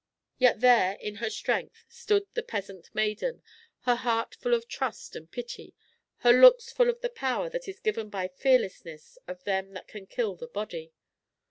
Yet there, in her strength, stood the peasant maiden, her heart full of trust and pity, her looks full of the power that is given by fearlessness of them that can kill the body.